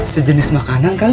sejenis makanan mungkin